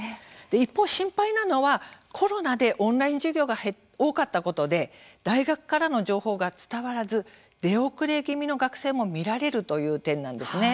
一方、心配なのはコロナでオンライン授業が多かったことで大学からの情報が伝わらず出遅れ気味の学生も見られるという点なんですね。